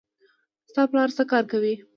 ستا پلار څه کار کوي